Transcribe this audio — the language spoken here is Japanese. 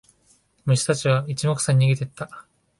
虫たちは一目散に逃げてった。